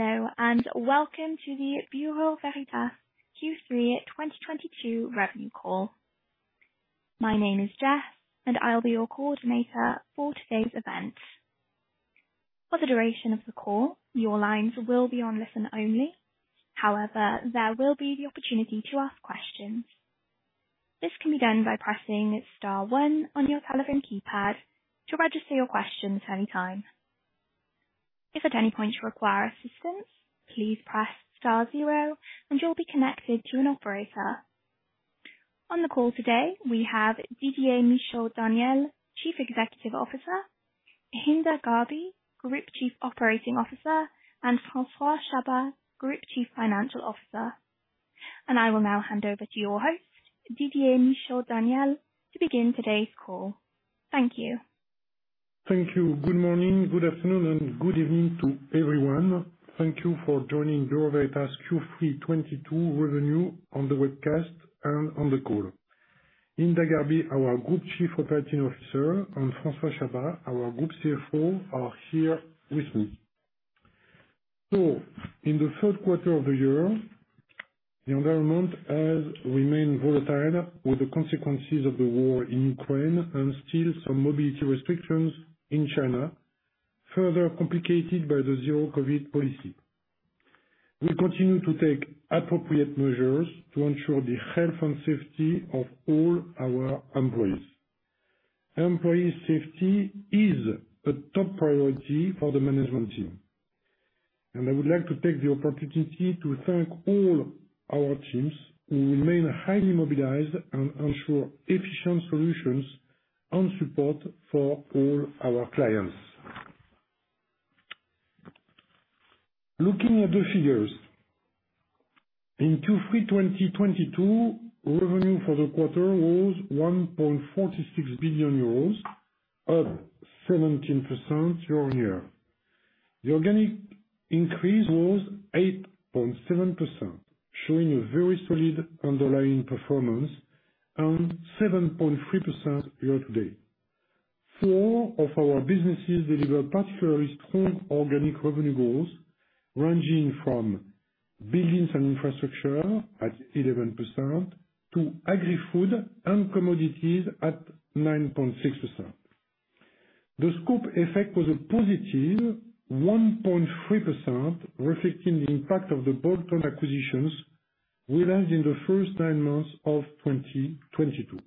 Hello, and welcome to the Bureau Veritas Q3 2022 revenue call. My name is Jess, and I'll be your coordinator for today's event. For the duration of the call, your lines will be on listen-only. However, there will be the opportunity to ask questions. This can be done by pressing star one on your telephone keypad to register your questions anytime. If at any point you require assistance, please press star zero and you'll be connected to an operator. On the call today, we have Didier Michaud-Daniel, Chief Executive Officer, Hinda Gharbi, Group Chief Operating Officer, and François Chabas, Group Chief Financial Officer. I will now hand over to your host, Didier Michaud-Daniel to begin today's call. Thank you. Thank you. Good morning, good afternoon, and good evening to everyone. Thank you for joining Bureau Veritas Q3 2022 revenue on the webcast and on the call. Hinda Gharbi, our Group Chief Operating Officer, and François Chabas, our Group CFO, are here with me. In the third quarter of the year, the environment has remained volatile with the consequences of the war in Ukraine and still some mobility restrictions in China, further complicated by the zero-COVID policy. We continue to take appropriate measures to ensure the health and safety of all our employees. Employee safety is a top priority for the management team. I would like to take the opportunity to thank all our teams who remain highly mobilized and ensure efficient solutions and support for all our clients. Looking at the figures. In Q3 2022, revenue for the quarter was 1.46 billion euros, up 17% year-on-year. The organic increase was 8.7%, showing a very solid underlying performance and 7.3% year-to-date. Four of our businesses delivered particularly strong organic revenue growth, ranging from Buildings & Infrastructure at 11% to Agri-Food & Commodities at 9.6%. The scope effect was a positive 1.3%, reflecting the impact of the bolt-on acquisitions realized in the first nine months of 2022.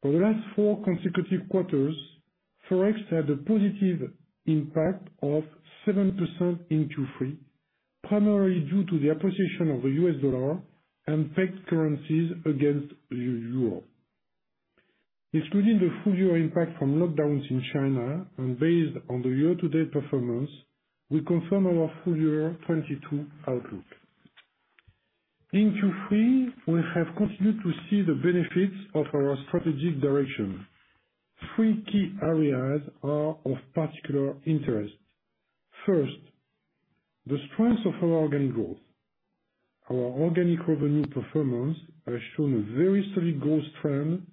For the last four consecutive quarters, Forex had a positive impact of 7% in Q3, primarily due to the appreciation of the U.S. dollar and peg currencies against the euro. Excluding the full-year impact from lockdowns in China and based on the year-to-date performance, we confirm our full-year 2022 outlook. In Q3, we have continued to see the benefits of our strategic direction. Three key areas are of particular interest. First, the strength of our organic growth. Our organic revenue performance has shown a very steady growth trend,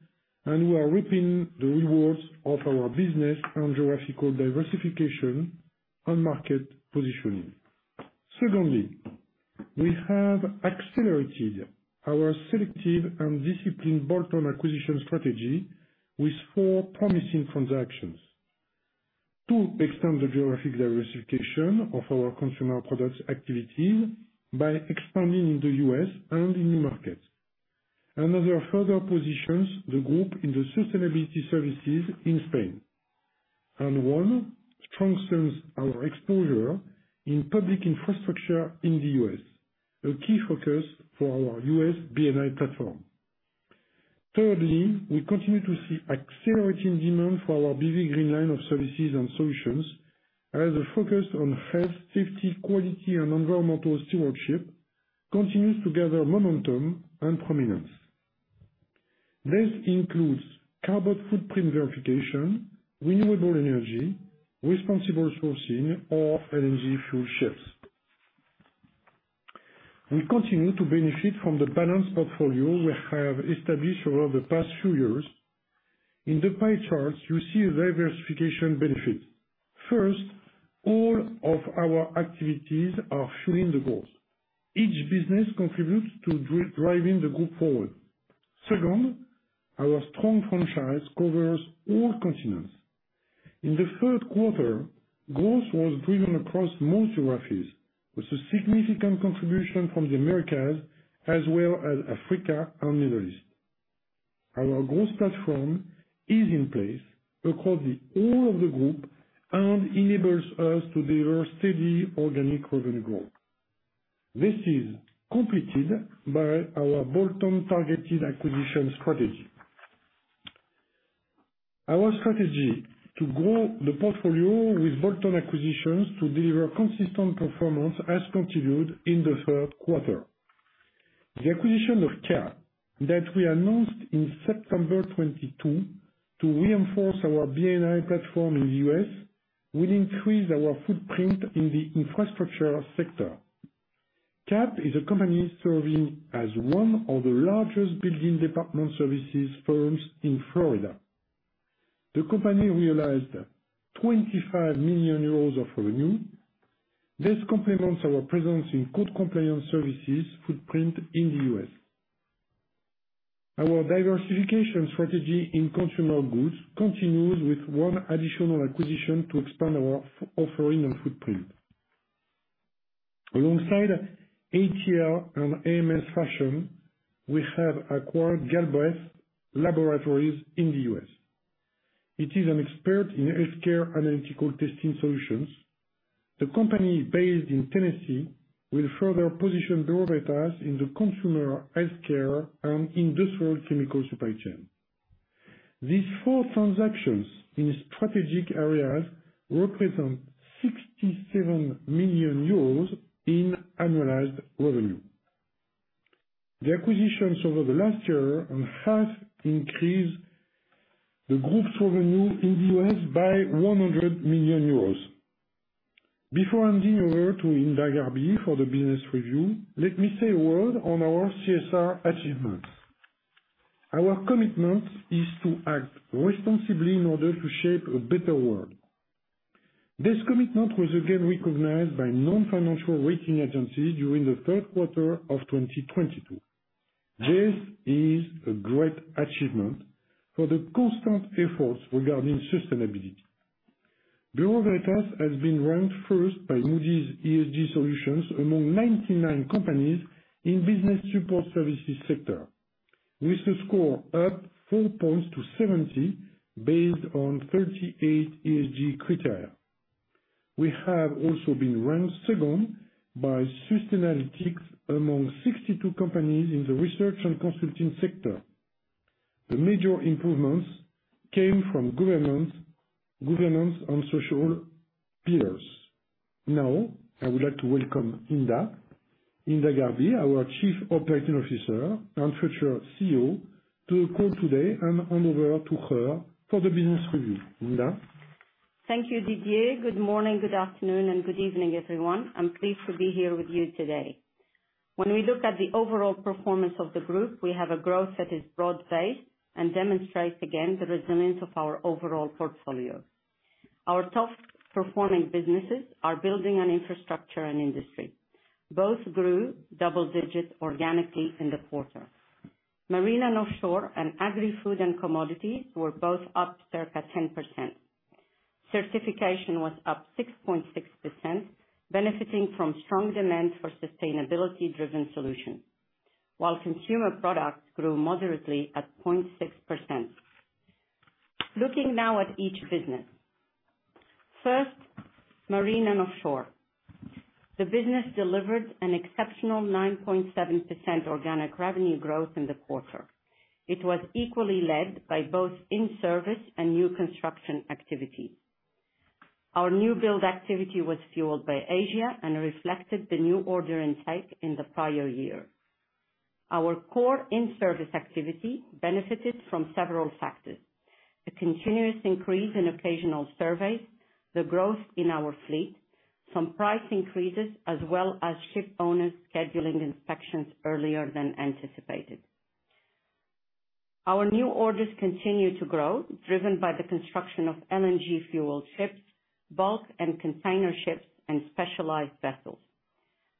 and we are reaping the rewards of our business and geographical diversification and market positioning. Secondly, we have accelerated our selective and disciplined bolt-on acquisition strategy with four promising transactions. Two extend the geographic diversification of our Consumer Products activities by expanding in the U.S. and in new markets. Another further positions the group in the sustainability services in Spain. One strengthens our exposure in public infrastructure in the U.S., a key focus for our U.S. B&I platform. Thirdly, we continue to see accelerating demand for our BV Green Line of Services & Solutions as a focus on health, safety, quality and environmental stewardship continues to gather momentum and prominence. This includes carbon footprint verification, renewable energy, responsible sourcing or LNG fuel ships. We continue to benefit from the balanced portfolio we have established over the past few years. In the pie charts, you see a diversification benefit. First, all of our activities are fueling the growth. Each business contributes to driving the group forward. Second, our strong franchise covers all continents. In the third quarter, growth was driven across most geographies, with a significant contribution from the Americas as well as Africa and Middle East. Our growth platform is in place across the whole of the group and enables us to deliver steady organic revenue growth. This is completed by our bolt-on targeted acquisition strategy. Our strategy to grow the portfolio with bolt-on acquisitions to deliver consistent performance has continued in the third quarter. The acquisition of CAP that we announced in September 2022 to reinforce our B&I platform in the U.S. will increase our footprint in the infrastructure sector. CAP is a company serving as one of the largest building department services firms in Florida. The company realized 25 million euros of revenue. This complements our presence in code compliance services footprint in the U.S. Our diversification strategy in consumer goods continues with one additional acquisition to expand our offering and footprint. Alongside ATL and AMSfashion, we have acquired Galbraith Laboratories in the U.S. It is an expert in healthcare analytical testing solutions. The company based in Tennessee will further position Bureau Veritas in the consumer healthcare and industrial chemical supply chain. These four transactions in strategic areas represent 67 million euros in annualized revenue. The acquisitions over the last year have increased the group's revenue in the U.S. by 100 million euros. Before handing over to Hinda Gharbi for the business review, let me say a word on our CSR achievements. Our commitment is to act responsibly in order to shape a better world. This commitment was again recognized by non-financial rating agencies during the third quarter of 2022. This is a great achievement for the constant efforts regarding sustainability. Bureau Veritas has been ranked first by Moody's ESG Solutions among 99 companies in business support services sector, with a score up four points to 70, based on 38 ESG criteria. We have also been ranked second by Sustainalytics among 62 companies in the research and consulting sector. The major improvements came from governance on social pillars. Now, I would like to welcome Hinda, Hinda Gharbi, our Chief Operating Officer and future CEO, to the call today and hand over to her for the business review. Hinda? Thank you, Didier. Good morning, good afternoon, and good evening, everyone. I'm pleased to be here with you today. When we look at the overall performance of the group, we have a growth that is broad-based and demonstrates again the resilience of our overall portfolio. Our top performing businesses are Buildings & Infrastructure and Industry. Both grew double digits organically in the quarter. Marine & Offshore and Agri-Food & Commodities were both up circa 10%. Certification was up 6.6%, benefiting from strong demand for sustainability-driven solutions. While Consumer Products grew moderately at 0.6%. Looking now at each business. First, Marine & Offshore. The business delivered an exceptional 9.7% organic revenue growth in the quarter. It was equally led by both in-service and new construction activity. Our new build activity was fueled by Asia and reflected the new order intake in the prior year. Our core in-service activity benefited from several factors. The continuous increase in occasional surveys, the growth in our fleet, some price increases, as well as ship owners scheduling inspections earlier than anticipated. Our new orders continue to grow, driven by the construction of LNG fuel ships, bulk and container ships, and specialized vessels.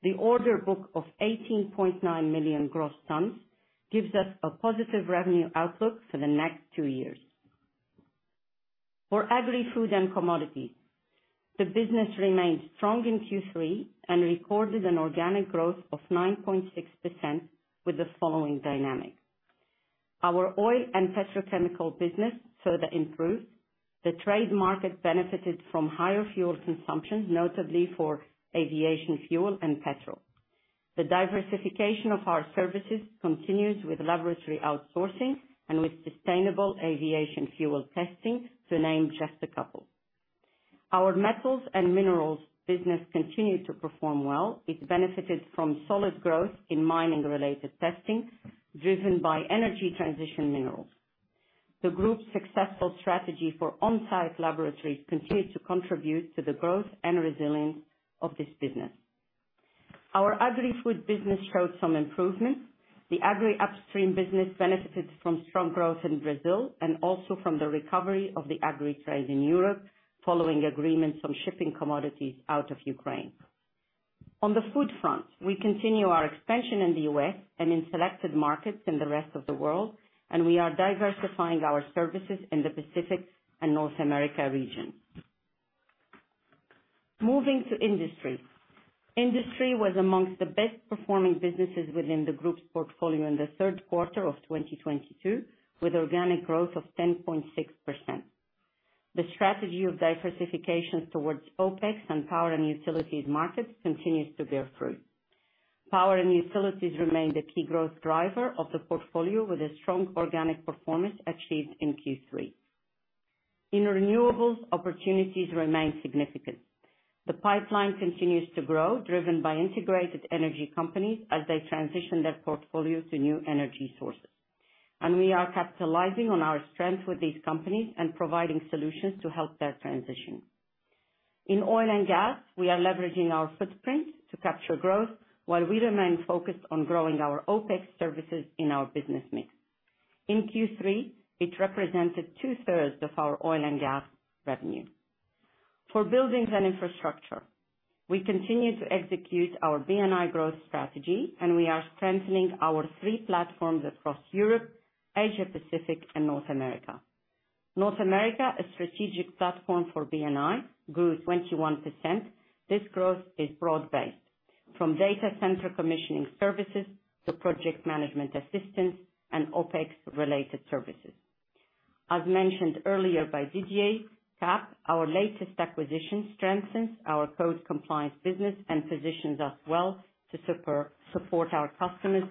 The order book of 18.9 million gross tons gives us a positive revenue outlook for the next two years. For Agri-Food & Commodities, the business remained strong in Q3 and recorded an organic growth of 9.6% with the following dynamics. Our oil and petrochemical business further improved. The trade market benefited from higher fuel consumption, notably for aviation fuel and petrol. The diversification of our services continues with laboratory outsourcing and with sustainable aviation fuel testing, to name just a couple. Our metals and minerals business continued to perform well. It benefited from solid growth in mining-related testing, driven by energy transition minerals. The group's successful strategy for on-site laboratories continued to contribute to the growth and resilience of this business. Our Agri-Food business showed some improvement. The Agri upstream business benefited from strong growth in Brazil and also from the recovery of the Agri trade in Europe, following agreements on shipping commodities out of Ukraine. On the Food front, we continue our expansion in the U.S. and in selected markets in the rest of the world, and we are diversifying our services in the Pacific and North America region. Moving to Industry. Industry was among the best performing businesses within the group's portfolio in the third quarter of 2022, with organic growth of 10.6%. The strategy of diversification towards OPEX and Power & Utilities markets continues to bear fruit. Power & Utilities remain the key growth driver of the portfolio with a strong organic performance achieved in Q3. In renewables, opportunities remain significant. The pipeline continues to grow, driven by integrated energy companies as they transition their portfolio to new energy sources. We are capitalizing on our strength with these companies and providing solutions to help that transition. In oil and gas, we are leveraging our footprint to capture growth while we remain focused on growing our OPEX services in our business mix. In Q3, it represented two-thirds of our oil and gas revenue. For buildings and infrastructure, we continue to execute our B&I growth strategy, and we are strengthening our three platforms across Europe, Asia Pacific and North America. North America, a strategic platform for B&I, grew 21%. This growth is broad-based, from data center commissioning services to project management assistance and OPEX related services. As mentioned earlier by Didier, CAP, our latest acquisition, strengthens our code compliance business and positions us well to super-support our customers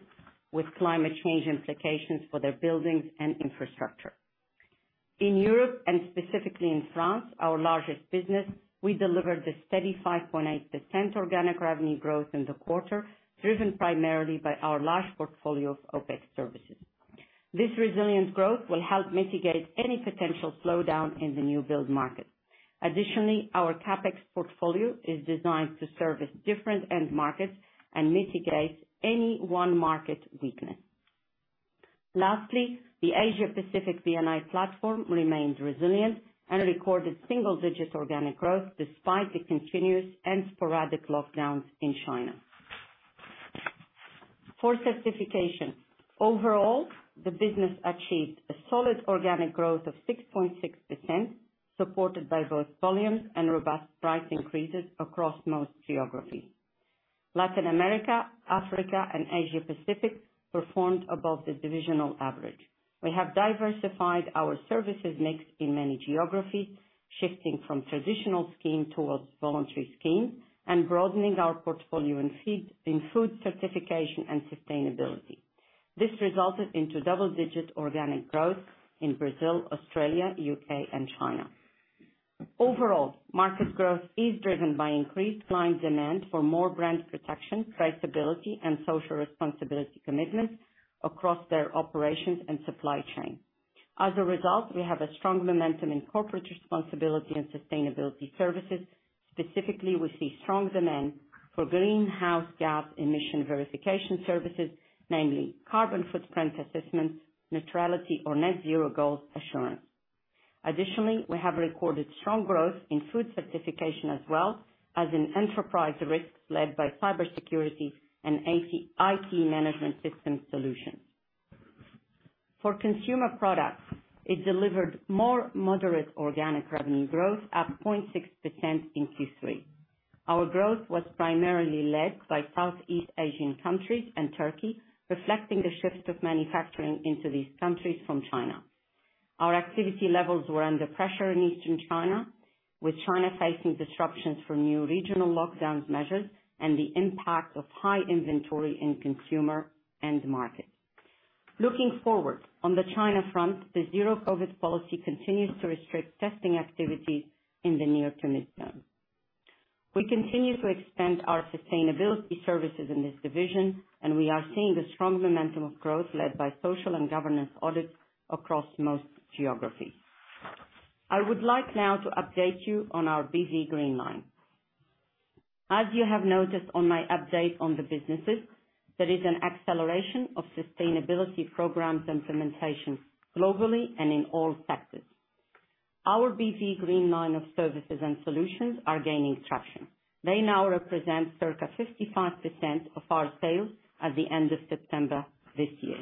with climate change implications for their buildings and infrastructure. In Europe, and specifically in France, our largest business, we delivered a steady 5.8% organic revenue growth in the quarter, driven primarily by our large portfolio of OPEX services. This resilient growth will help mitigate any potential slowdown in the new build market. Additionally, our CAPEX portfolio is designed to service different end markets and mitigate any one market weakness. Lastly, the Asia Pacific B&I platform remains resilient and recorded single-digit organic growth despite the continuous and sporadic lockdowns in China. For certification, overall, the business achieved a solid organic growth of 6.6%, supported by both volumes and robust price increases across most geographies. Latin America, Africa, and Asia Pacific performed above the divisional average. We have diversified our services mix in many geographies, shifting from traditional scheme towards voluntary scheme and broadening our portfolio in feed, in food certification and sustainability. This resulted into double-digit organic growth in Brazil, Australia, U.K., and China. Overall, market growth is driven by increased client demand for more brand protection, traceability, and social responsibility commitments across their operations and supply chain. As a result, we have a strong momentum in corporate responsibility and sustainability services. Specifically, we see strong demand for greenhouse gas emission verification services, namely carbon footprint assessments, neutrality or net zero goals assurance. Additionally, we have recorded strong growth in food certification as well as in enterprise risks led by cybersecurity and IT management system solutions. For consumer products, it delivered more moderate organic revenue growth at 0.6% in Q3. Our growth was primarily led by Southeast Asian countries and Turkey, reflecting a shift of manufacturing into these countries from China. Our activity levels were under pressure in Eastern China, with China facing disruptions from new regional lockdown measures and the impact of high inventory in consumer end market. Looking forward, on the China front, the zero-COVID policy continues to restrict testing activity in the near- to mid-term. We continue to expand our sustainability services in this division, and we are seeing a strong momentum of growth led by social and governance audits across most geographies. I would like now to update you on our BV Green Line. As you have noticed on my update on the businesses, there is an acceleration of sustainability programs implementation globally and in all sectors. Our BV Green Line of Services & Solutions are gaining traction. They now represent circa 55% of our sales at the end of September this year.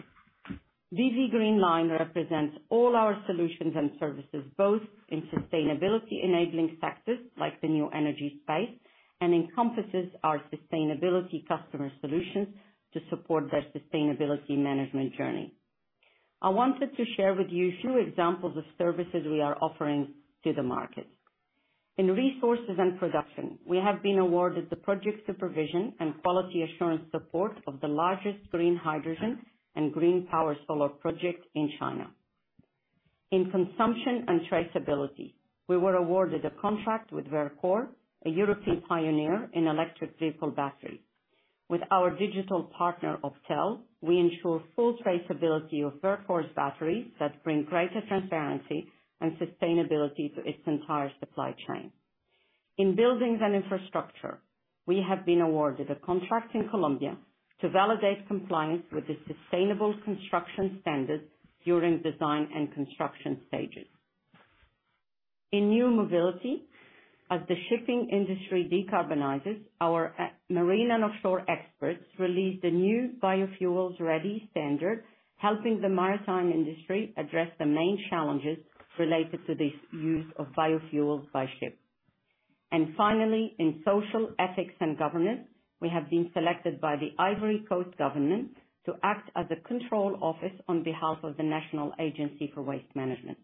BV Green Line represents all our solutions and services, both in sustainability enabling sectors like the new energy space, and encompasses our sustainability customer solutions to support their sustainability management journey. I wanted to share with you a few examples of services we are offering to the market. In resources and production, we have been awarded the project supervision and quality assurance support of the largest green hydrogen and green power solar project in China. In consumption and traceability, we were awarded a contract with Verkor, a European pioneer in electric vehicle battery. With our digital partner, OPTEL, we ensure full traceability of Verkor's batteries that bring greater transparency and sustainability to its entire supply chain. In buildings and infrastructure, we have been awarded a contract in Colombia to validate compliance with the sustainable construction standards during design and construction stages. In new mobility, as the shipping industry decarbonizes, our marine and offshore experts released a new biofuels-ready standard, helping the maritime industry address the main challenges related to this use of biofuels by ship. Finally, in social ethics and governance, we have been selected by the Ivory Coast government to act as a control office on behalf of the National Agency for Waste Management.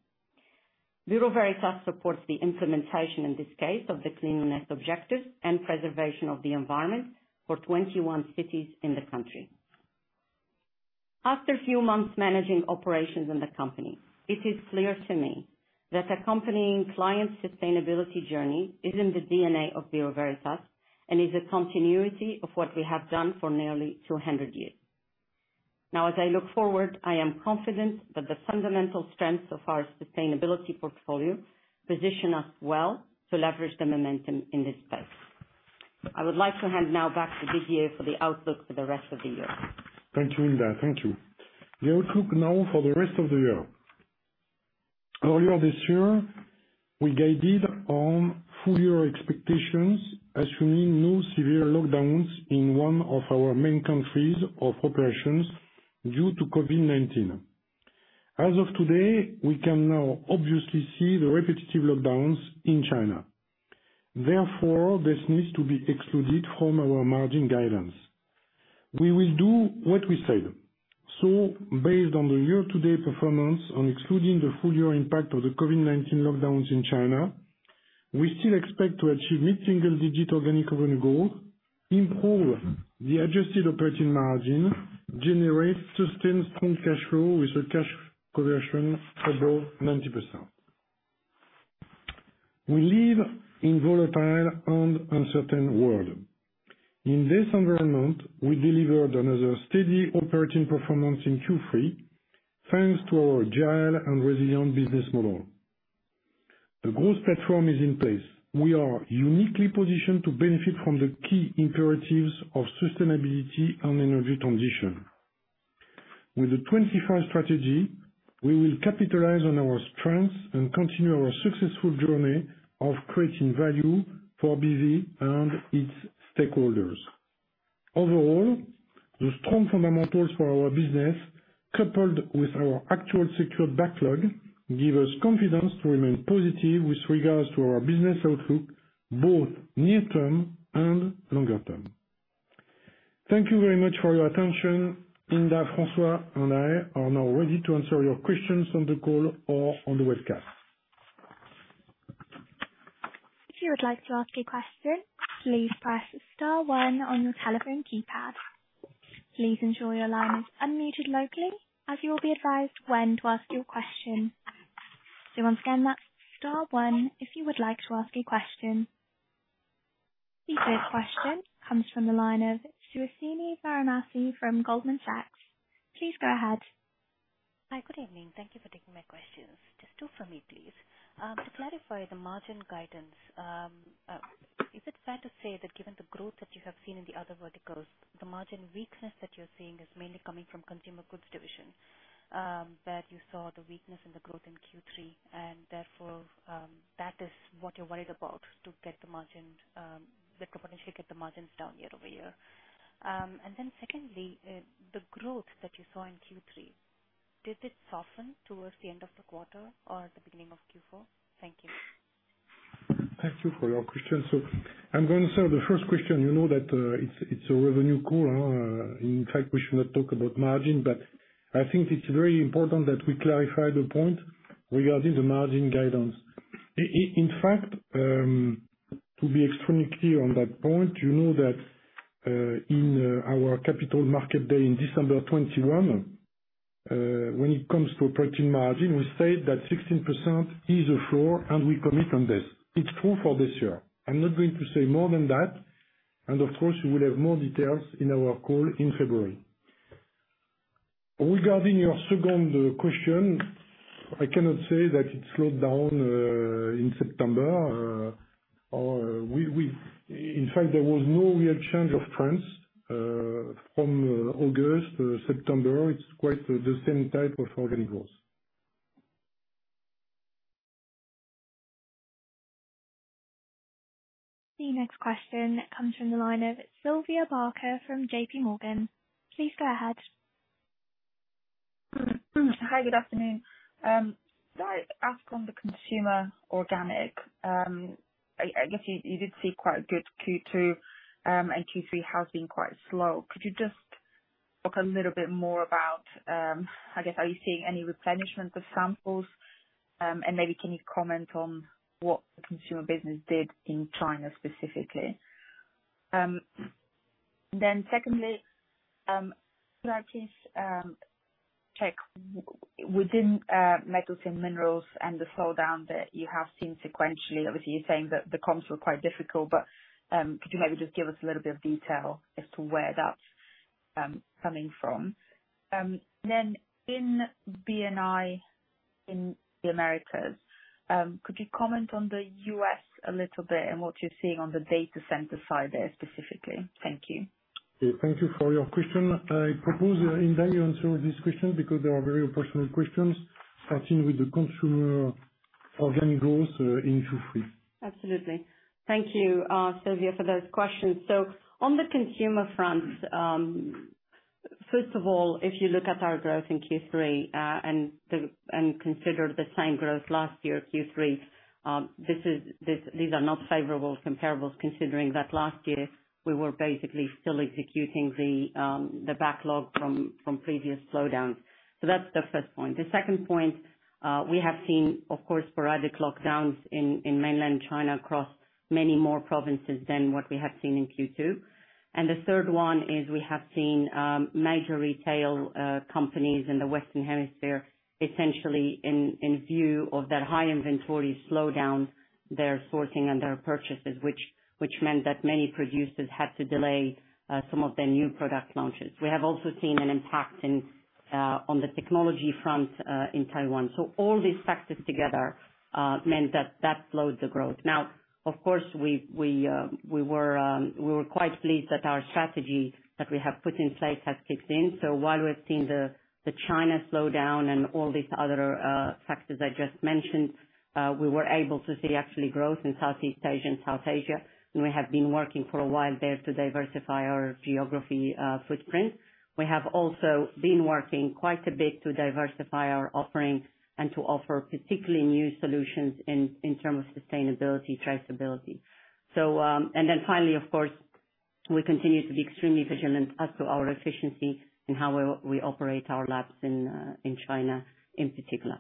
Bureau Veritas supports the implementation, in this case, of the cleanliness objectives and preservation of the environment for 21 cities in the country. After a few months managing operations in the company, it is clear to me that accompanying clients' sustainability journey is in the DNA of Bureau Veritas and is a continuity of what we have done for nearly 200 years. Now, as I look forward, I am confident that the fundamental strengths of our sustainability portfolio position us well to leverage the momentum in this space. I would like to hand now back to Didier for the outlook for the rest of the year. Thank you, Hinda. Thank you. The outlook now for the rest of the year. Earlier this year, we guided on full year expectations, assuming no severe lockdowns in one of our main countries of operations due to COVID-19. As of today, we can now obviously see the repetitive lockdowns in China. Therefore, this needs to be excluded from our margin guidance. We will do what we said. Based on the year-to-date performance and excluding the full year impact of the COVID-19 lockdowns in China, we still expect to achieve mid-single digit organic revenue growth, improve the adjusted operating margin, generate sustained strong cash flow with a cash conversion above 90%. We live in volatile and uncertain world. In this environment, we delivered another steady operating performance in Q3, thanks to our agile and resilient business model. The growth platform is in place. We are uniquely positioned to benefit from the key imperatives of sustainability and energy transition. With the 2025 strategy, we will capitalize on our strengths and continue our successful journey of creating value for BV and its stakeholders. Overall, the strong fundamentals for our business, coupled with our actual secured backlog, give us confidence to remain positive with regards to our business outlook, both near term and longer term. Thank you very much for your attention. Hinda, François, and I are now ready to answer your questions on the call or on the webcast. If you would like to ask a question, please press star one on your telephone keypad. Please ensure your line is unmuted locally, as you will be advised when to ask your question. Once again, that's star one if you would like to ask a question. The first question comes from the line of Suhasini Varanasi from Goldman Sachs. Please go ahead. Hi. Good evening. Thank you for taking my questions. Just two for me, please. To clarify the margin guidance, is it fair to say that given the growth that you have seen in the other verticals, the margin weakness that you're seeing is mainly coming from Consumer Products division, that you saw the weakness in the growth in Q3, and therefore, that is what you're worried about to get the margin, the potential to get the margins down year-over-year? Secondly, the growth that you saw in Q3, did it soften towards the end of the quarter or at the beginning of Q4? Thank you. Thank you for your question. I'm gonna answer the first question. You know that it's a revenue call. In fact, we should not talk about margin, but I think it's very important that we clarify the point regarding the margin guidance. In fact, to be extremely clear on that point, you know that in our capital market day in December 2021, when it comes to operating margin, we said that 16% is the floor and we commit on this. It's true for this year. I'm not going to say more than that, and of course, we will have more details in our call in February. Regarding your second question, I cannot say that it slowed down in September. In fact, there was no real change of trends from August to September. It's quite the same type of organic growth. The next question comes from the line of Sylvia Barker from JPMorgan. Please go ahead. Hi, good afternoon. Can I ask on the Consumer Organic? I guess you did see quite a good Q2, and Q3 has been quite slow. Could you just talk a little bit more about, I guess, are you seeing any replenishment of samples? And maybe can you comment on what the consumer business did in China specifically? Secondly, can I please check within metals and minerals and the slowdown that you have seen sequentially, obviously you're saying that the comps were quite difficult, but could you maybe just give us a little bit of detail as to where that's coming from? In B&I in the Americas, could you comment on the U.S. a little bit and what you're seeing on the data center side there specifically? Thank you. Yeah. Thank you for your question. I propose Hinda, you answer this question because they are very operational questions, starting with the Consumer Organic growth in Q3. Absolutely. Thank you, Sylvia, for those questions. On the consumer front, first of all, if you look at our growth in Q3 and consider the same growth last year, Q3, these are not favorable comparables considering that last year we were basically still executing the backlog from previous slowdowns. That's the first point. The second point, we have seen, of course, sporadic lockdowns in mainland China across many more provinces than what we have seen in Q2. The third one is we have seen major retail companies in the Western Hemisphere essentially in view of that high inventory slowdown, their sourcing and their purchases which meant that many producers had to delay some of their new product launches. We have also seen an impact on the technology front in Taiwan. All these factors together meant that slowed the growth. Now, of course, we were quite pleased that our strategy that we have put in place has kicked in. While we've seen the China slowdown and all these other factors I just mentioned, we were able to see actually growth in Southeast Asia and South Asia, and we have been working for a while there to diversify our geography footprint. We have also been working quite a bit to diversify our offering and to offer particularly new solutions in terms of sustainability, traceability. Finally, of course, we continue to be extremely vigilant as to our efficiency in how we operate our labs in China in particular.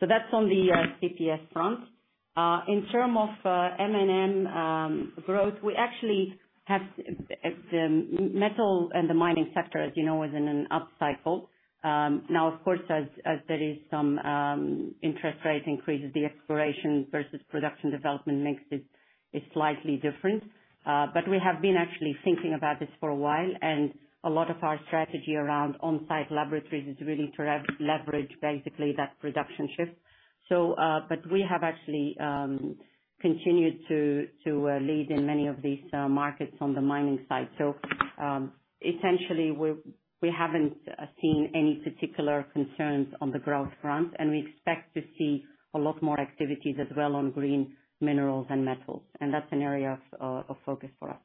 That's on the CPS front. In terms of M&M growth, we actually have metals and the mining sector, as you know, is in an up cycle. Now of course, as there is some interest rate increases, the exploration versus production development makes it slightly different. But we have been actually thinking about this for a while, and a lot of our strategy around on-site laboratories is really to leverage basically that production shift. But we have actually continued to lead in many of these markets on the mining side. Essentially, we haven't seen any particular concerns on the growth front, and we expect to see a lot more activity as well on green minerals and metals, and that's an area of focus for us.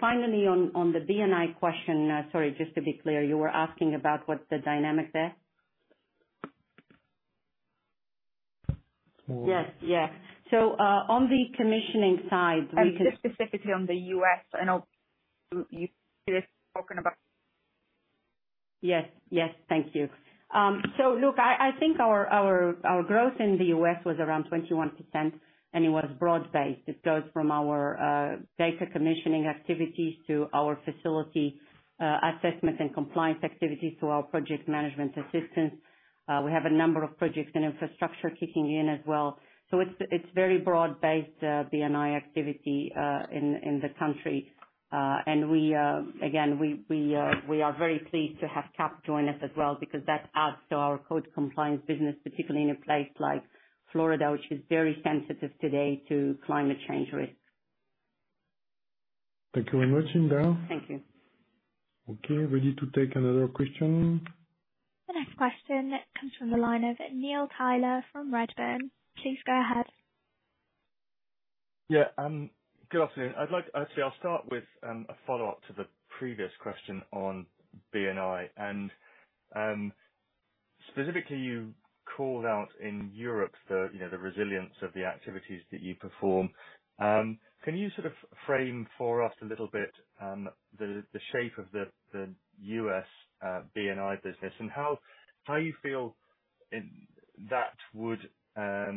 Finally, on the B&I question, sorry, just to be clear, you were asking about what the dynamic there? More- Yes. On the commissioning side, we can. Just specifically on the U.S., I know you've spoken about. Yes. Thank you. Look, I think our growth in the U.S. was around 21%, and it was broad-based. It goes from our data commissioning activities to our facility assessment and compliance activities, to our project management assistance. We have a number of projects and infrastructure kicking in as well. It's very broad-based B&I activity in the country. We again are very pleased to have CAP join us as well because that adds to our code compliance business, particularly in a place like Florida, which is very sensitive today to climate change risk. Thank you very much, Hinda. Thank you. Okay. Ready to take another question. The next question comes from the line of Neil Tyler from Redburn. Please go ahead. Yeah. Good afternoon. Actually, I'll start with a follow-up to the previous question on B&I. Specifically, you called out in Europe you know the resilience of the activities that you perform. Can you sort of frame for us a little bit the shape of the U.S. B&I business and how you feel that would fare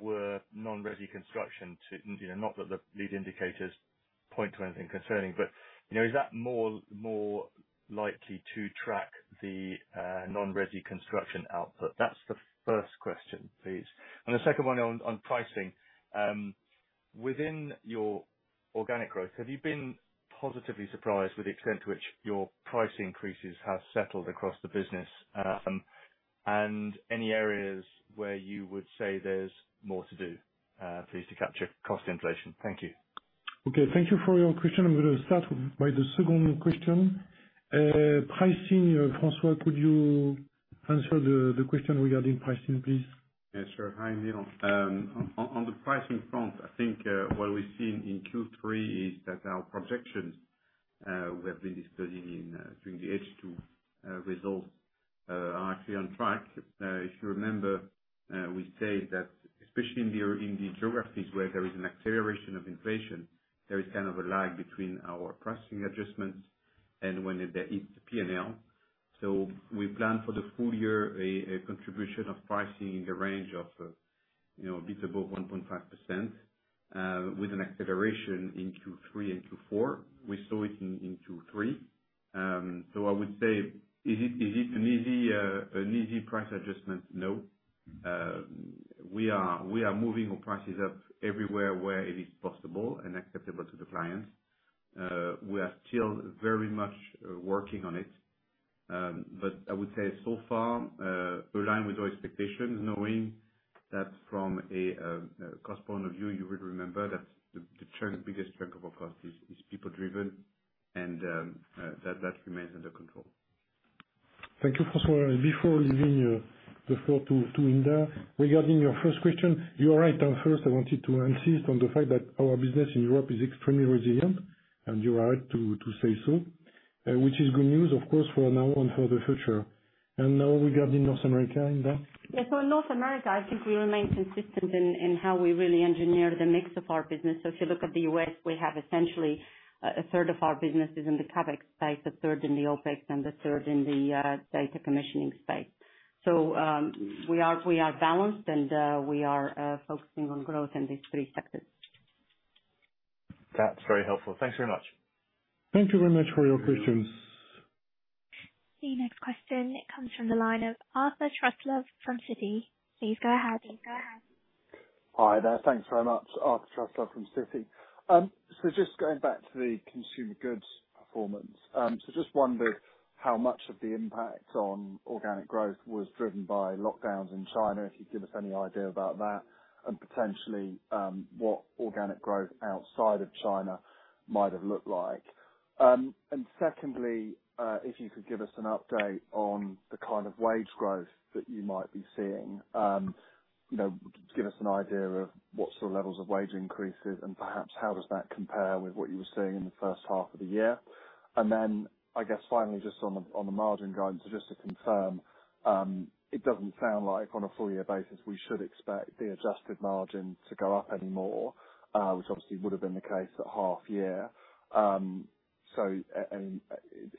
were non-resi construction to you know not that the lead indicators point to anything concerning, but you know is that more likely to track the non-resi construction output? That's the first question, please. The second one on pricing. Within your organic growth, have you been positively surprised with the extent to which your price increases have settled across the business? Any areas where you would say there's more to do, please, to capture cost inflation? Thank you. Okay, thank you for your question. I'm gonna start with the second question. Pricing, François, could you answer the question regarding pricing, please? Yes, sure. Hi, Neil. On the pricing front, I think what we've seen in Q3 is that our projections we have been discussing during the H1 results are actually on track. If you remember, we said that especially in the geographies where there is an acceleration of inflation, there is kind of a lag between our pricing adjustments and when it hits the P&L. We plan for the full year a contribution of pricing in the range of, you know, a bit above 1.5% with an acceleration in Q3 and Q4. We saw it in Q3. I would say, is it an easy price adjustment? No. We are moving our prices up everywhere where it is possible and acceptable to the clients. We are still very much working on it. I would say so far aligned with our expectations, knowing that from a cost point of view, you would remember that the biggest chunk of our cost is people driven and that remains under control. Thank you, François. Before leaving the floor to Hinda, regarding your first question, you are right. First, I wanted to insist on the fact that our business in Europe is extremely resilient, and you are right to say so, which is good news, of course, for now and for the future. Now regarding North America, Hinda? Yeah. In North America, I think we remain consistent in how we really engineer the mix of our business. If you look at the U.S., we have essentially a third of our business is in the CAPEX space, a third in the OPEX, and a third in the data commissioning space. We are balanced, and we are focusing on growth in these three sectors. That's very helpful. Thanks very much. Thank you very much for your questions. The next question comes from the line of Arthur Truslove from Citi. Please go ahead. Hi there. Thanks very much. Arthur Truslove from Citi. Just going back to the consumer goods performance. Just wondered how much of the impact on organic growth was driven by lockdowns in China, if you'd give us any idea about that, and potentially, what organic growth outside of China might have looked like? Secondly, if you could give us an update on the kind of wage growth that you might be seeing, you know, give us an idea of what sort of levels of wage increases and perhaps how does that compare with what you were seeing in the first half of the year? I guess finally, just on the margin guidance, so just to confirm, it doesn't sound like on a full year basis we should expect the adjusted margin to go up any more, which obviously would've been the case at half year.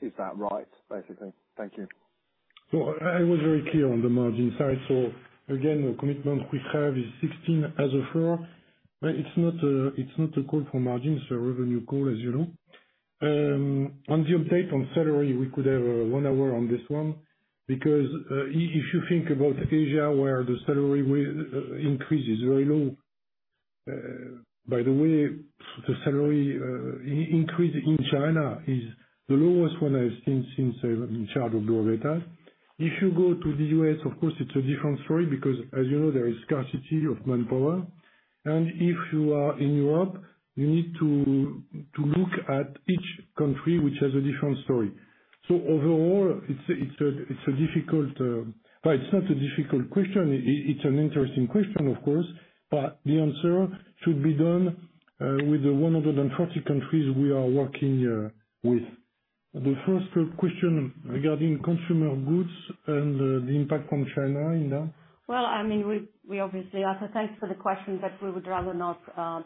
Is that right, basically? Thank you. I was very clear on the margin side. Again, the commitment we have is 16% as a floor. It's not a call for margin, it's a revenue call, as you know. On the update on salary, we could have one hour on this one, because if you think about Asia, where the salary will increase is very low. By the way, the salary increase in China is the lowest one I've seen since I'm in charge of Bureau Veritas. If you go to the U.S., of course it's a different story because, as you know, there is scarcity of manpower. If you are in Europe, you need to look at each country, which has a different story. Overall, it's a difficult. Well, it's not a difficult question. It's an interesting question, of course, but the answer should be done with the 140 countries we are working with. The first question regarding consumer goods and the impact from China, Hinda Gharbi. Well, I mean, we obviously, Arthur, thanks for the question, but we would rather not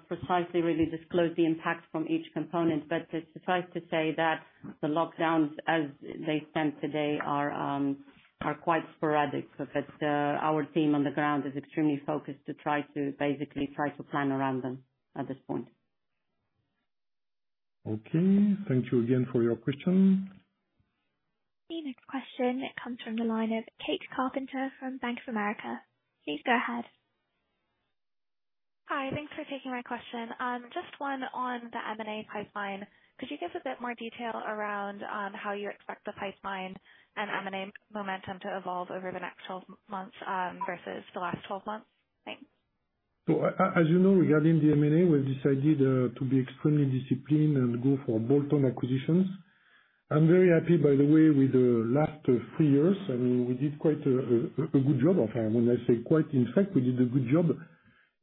precisely really disclose the impact from each component. It suffices to say that the lockdowns as they stand today are quite sporadic. That our team on the ground is extremely focused to try to basically plan around them at this point. Okay. Thank you again for your question. The next question comes from the line of Katie Carpenter from Bank of America. Please go ahead. Hi. Thanks for taking my question. Just one on the M&A pipeline. Could you give a bit more detail around how you expect the pipeline and M&A momentum to evolve over the next 12 months versus the last 12 months? Thanks. As you know, regarding the M&A, we've decided to be extremely disciplined and go for bolt-on acquisitions. I'm very happy, by the way, with the last three years. I mean, we did quite a good job of it. When I say quite, in fact, we did a good job.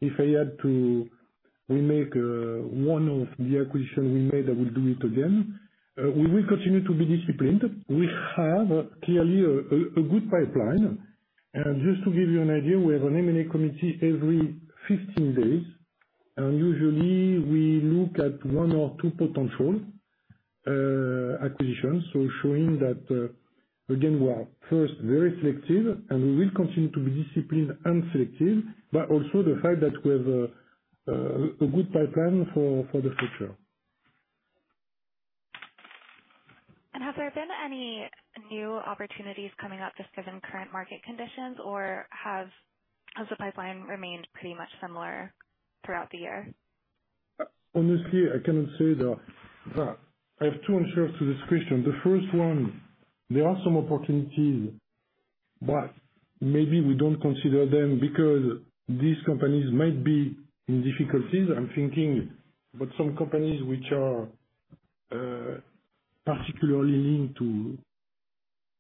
If I had to remake one of the acquisition we made, I would do it again. We will continue to be disciplined. We have clearly a good pipeline. Just to give you an idea, we have an M&A committee every 15 days, and usually we look at one or two potential acquisitions. Showing that, again, we are first very selective, and we will continue to be disciplined and selective, but also the fact that we have a good pipeline for the future. Have there been any new opportunities coming up just given current market conditions, or has the pipeline remained pretty much similar throughout the year? Honestly, I cannot say that. I have two answers to this question. The first one, there are some opportunities, but maybe we don't consider them because these companies might be in difficulties. I'm thinking about some companies which are particularly linked to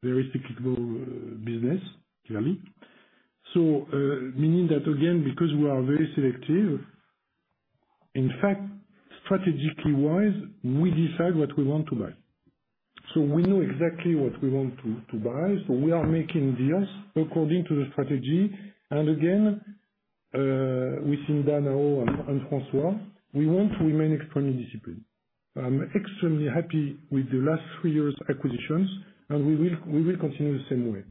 very cyclical business, clearly. Meaning that again, because we are very selective, in fact, strategically wise, we decide what we want to buy. We know exactly what we want to buy. We are making deals according to the strategy. Again, with Hinda now and François, we want to remain extremely disciplined. I'm extremely happy with the last three years' acquisitions, and we will continue the same way.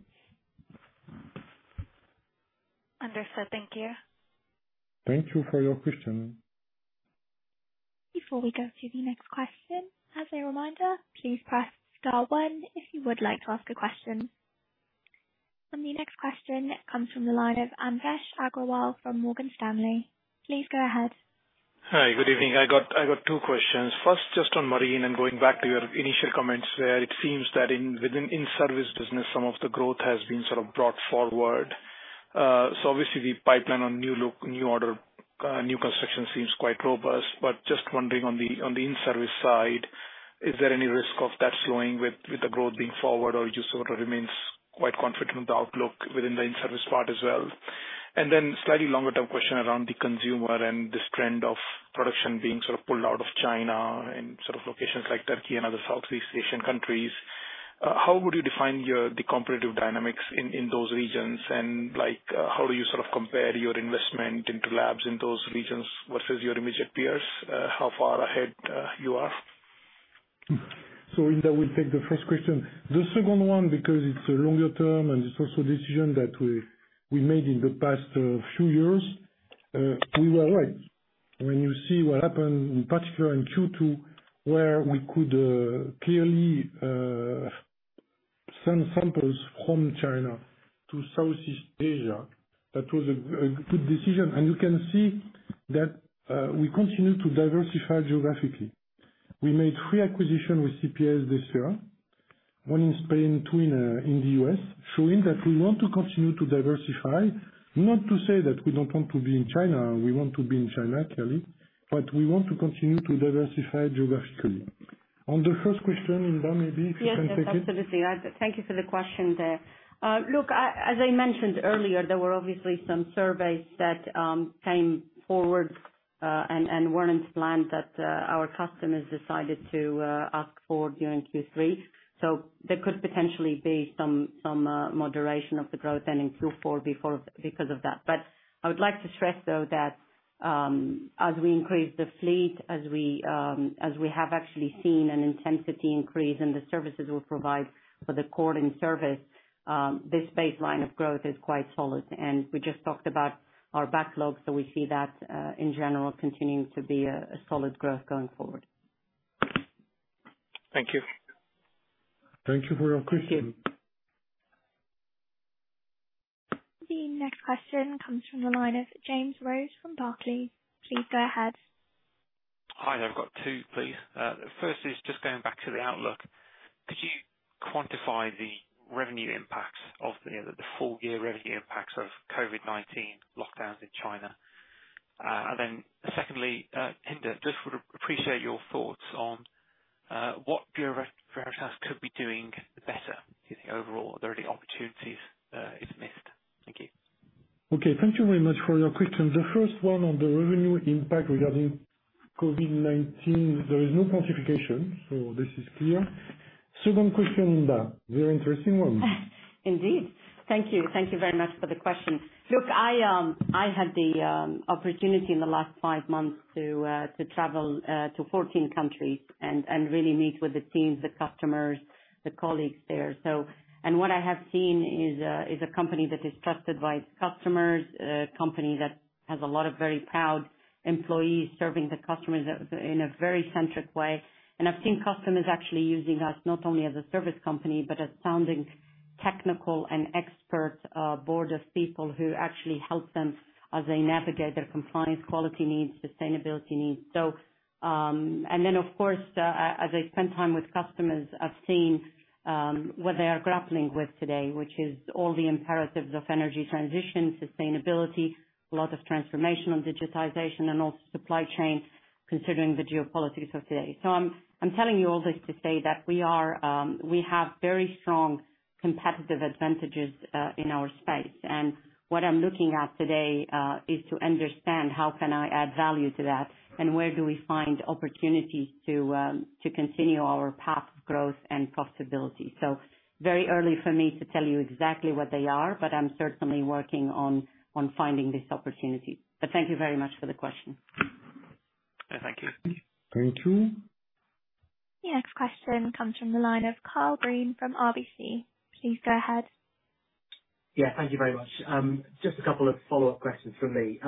Understood. Thank you. Thank you for your question. Before we go to the next question, as a reminder, please press star one if you would like to ask a question. The next question comes from the line of Anvesh Agrawal from Morgan Stanley. Please go ahead. Hi, good evening. I got two questions. First, just on marine and going back to your initial comments, where it seems that within in-service business, some of the growth has been sort of brought forward. So obviously the pipeline on newbuild, new order, new construction seems quite robust. But just wondering on the in-service side, is there any risk of that slowing with the growth being brought forward or you sort of remains quite confident with the outlook within the in-service part as well? Slightly longer-term question around the consumer and this trend of production being sort of pulled out of China and sort of locations like Turkey and other Southeast Asian countries. How would you define your... The competitive dynamics in those regions and, like, how do you sort of compare your investment into labs in those regions versus your immediate peers? How far ahead you are? Hinda, we take the first question. The second one, because it's a longer term and it's also a decision that we made in the past few years, we were right. When you see what happened, in particular in Q2, where we could clearly send samples from China to Southeast Asia, that was a good decision. You can see that we continue to diversify geographically. We made three acquisitions with CPS this year, one in Spain, two in the U.S. Showing that we want to continue to diversify, not to say that we don't want to be in China, we want to be in China clearly, but we want to continue to diversify geographically. On the first question, Hinda, maybe you can take it. Yes, yes, absolutely. Thank you for the question there. Look, as I mentioned earlier, there were obviously some surveys that came forward, and weren't planned that our customers decided to ask for during Q3. So there could potentially be some moderation of the growth ending Q4 before because of that. But I would like to stress though that as we increase the fleet, as we have actually seen an intensity increase in the services we provide for the core in service, this baseline of growth is quite solid. We just talked about our backlog, so we see that in general continuing to be a solid growth going forward. Thank you. Thank you for your question. The next question comes from the line of James Rose from Barclays. Please go ahead. Hi, there. I've got two, please. The first is just going back to the outlook. Could you quantify the revenue impacts of the full year revenue impacts of COVID-19 lockdowns in China? Then secondly, Hinda, just would appreciate your thoughts on what Bureau Veritas could be doing better overall. Are there any opportunities it's missed? Thank you. Okay. Thank you very much for your question. The first one on the revenue impact regarding COVID-19, there is no quantification, so this is clear. Second question, Hinda, very interesting one. Indeed. Thank you. Thank you very much for the question. Look, I had the opportunity in the last five months to travel to 14 countries and really meet with the teams, the customers, the colleagues there. What I have seen is a company that is trusted by its customers, a company that has a lot of very proud employees serving the customers in a very customer-centric way. I've seen customers actually using us not only as a service company, but as a sounding board of technical and expert people who actually help them as they navigate their compliance, quality needs, sustainability needs. Of course, as I spend time with customers, I've seen what they are grappling with today, which is all the imperatives of energy transition, sustainability, a lot of transformation on digitization and also supply chain, considering the geopolitics of today. I'm telling you all this to say that we have very strong competitive advantages in our space. What I'm looking at today is to understand how can I add value to that and where do we find opportunities to continue our path of growth and profitability. Very early for me to tell you exactly what they are, but I'm certainly working on finding this opportunity. Thank you very much for the question. Thank you. Thank you. The next question comes from the line of Karl Green from RBC. Please go ahead. Yeah, thank you very much. Just a couple of follow-up questions from me.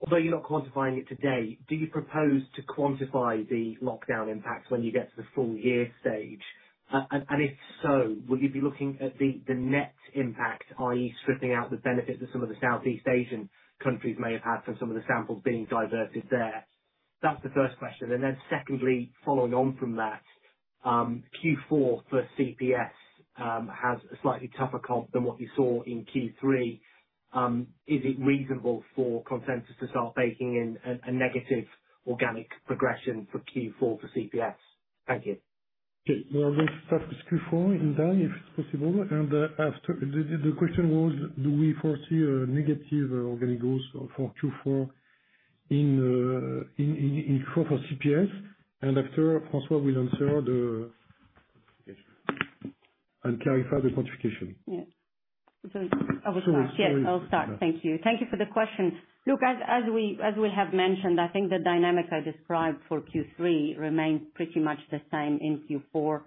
Although you're not quantifying it today, do you propose to quantify the lockdown impact when you get to the full year stage? If so, will you be looking at the net impact, i.e., stripping out the benefit that some of the Southeast Asian countries may have had from some of the samples being diverted there? That's the first question. Secondly, following on from that, Q4 for CPS has a slightly tougher comp than what you saw in Q3. Is it reasonable for consensus to start baking in a negative organic progression for Q4 for CPS? Thank you. Okay. Well, we'll start with Q4, Hinda, if it's possible. The question was, do we foresee a negative organic growth for Q4 in Q4 CPS? François will answer and clarify the quantification. Yeah. I will start. So- Yes, I'll start. Thank you. Thank you for the question. Look, as we have mentioned, I think the dynamics I described for Q3 remains pretty much the same in Q4.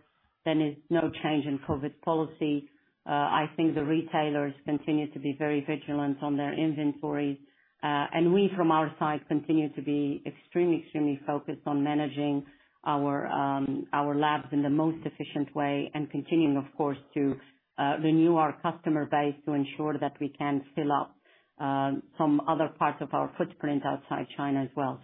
There is no change in COVID policy. I think the retailers continue to be very vigilant on their inventory. And we from our side continue to be extremely focused on managing our labs in the most efficient way and continuing, of course, to renew our customer base to ensure that we can fill up some other parts of our footprint outside China as well.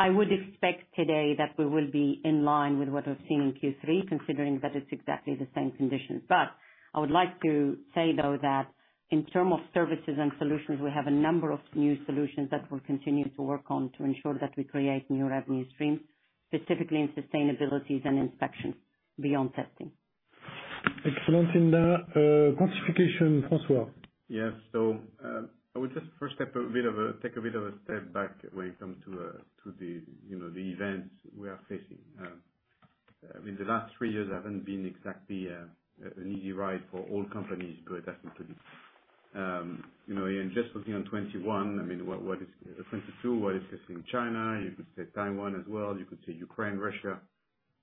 I would expect to date that we will be in line with what I've seen in Q3, considering that it's exactly the same conditions. I would like to say, though, that in terms of Services & Solutions, we have a number of new solutions that we're continuing to work on to ensure that we create new revenue streams, specifically in sustainability and inspections beyond testing. Excellent, Hinda. Quantification, François. Yes. I would just take a bit of a step back when it comes to the you know the events we are facing. I mean, the last three years haven't been exactly an easy ride for all companies, but definitely this. You know, just looking on 2021, I mean, 2022, what is happening in China, you could say Taiwan as well, you could say Ukraine, Russia.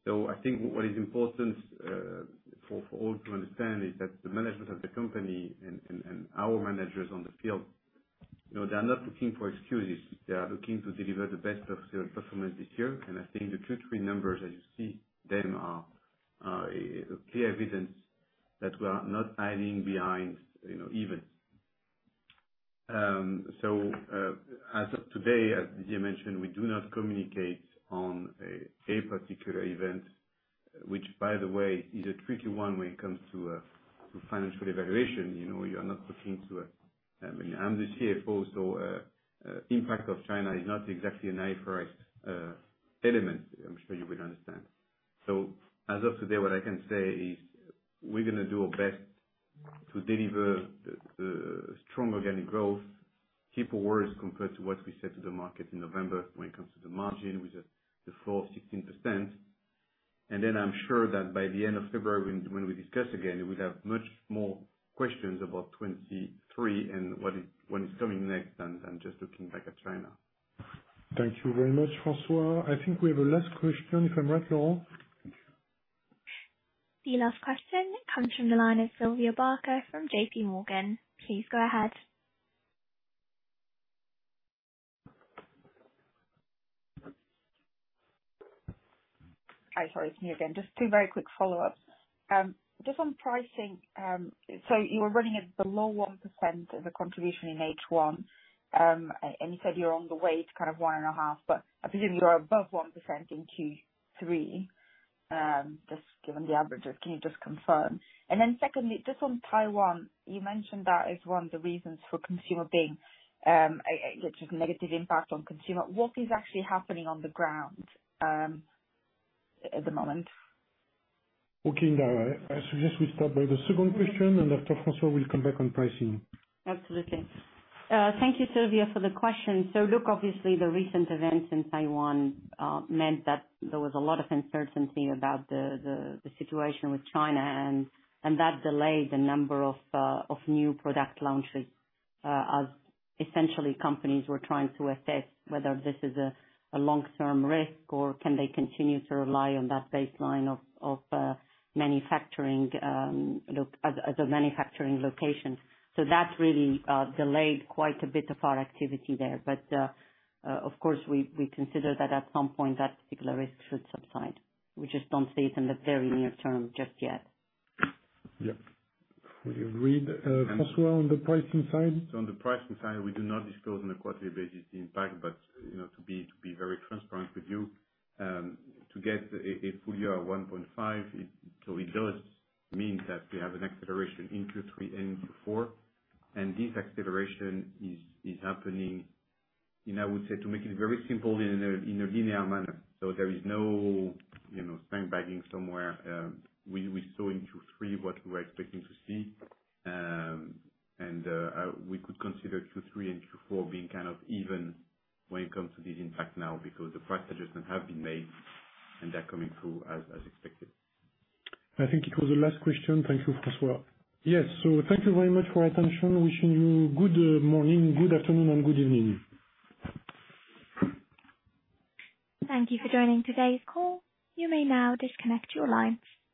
I think what is important for all to understand is that the management of the company and our managers on the field, you know, they are not looking for excuses. They are looking to deliver the best of their performance this year. I think the Q3 numbers, as you see them, are a clear evidence that we are not hiding behind, you know, events. As of today, as Didier mentioned, we do not communicate on a particular event, which, by the way, is a tricky one when it comes to financial evaluation. You know, you are not looking to. I mean, I'm the CFO, impact of China is not exactly an IFRS element. I'm sure you would understand. As of today, what I can say is we're gonna do our best to deliver the strong organic growth, keep our words compared to what we said to the market in November when it comes to the margin, which is the 4%-16%. I'm sure that by the end of February, when we discuss again, we'll have much more questions about 2023 and what is coming next than just looking back at China. Thank you very much, François. I think we have a last question, if I'm right, Lauren. The last question comes from the line of Sylvia Barker from JPMorgan. Please go ahead. Hi. Sorry, it's me again. Just two very quick follow-ups. Just on pricing. You were running at below 1% as a contribution in H1. You said you're on the way to kind of 1.5%, but I presume you are above 1% in Q3, just given the averages. Can you just confirm? Then secondly, just on Taiwan, you mentioned that is one of the reasons for consumer being, which is negative impact on consumer. What is actually happening on the ground at the moment? Okay. I suggest we start by the second question. After, François, we'll come back on pricing. Absolutely. Thank you, Sylvia, for the question. Look, obviously the recent events in Taiwan meant that there was a lot of uncertainty about the situation with China and that delayed a number of new product launches, as essentially companies were trying to assess whether this is a long-term risk or can they continue to rely on that baseline of manufacturing as a manufacturing location. That really delayed quite a bit of our activity there. Of course we consider that at some point that particular risk should subside. We just don't see it in the very near term just yet. Yeah. We agreed. François, on the pricing side? On the pricing side, we do not disclose on a quarterly basis the impact, but, you know, to be very transparent with you, to get a full year 1.5, it does mean that we have an acceleration in Q3 and Q4, and this acceleration is happening, and I would say to make it very simple, in a linear manner. There is no, you know, sandbagging somewhere. We saw in Q3 what we were expecting to see. We could consider Q3 and Q4 being kind of even when it comes to this impact now because the price adjustments have been made and they're coming through as expected. I think it was the last question. Thank you, François. Yes. Thank you very much for your attention. Wishing you good morning, good afternoon and good evening. Thank you for joining today's call. You may now disconnect your lines.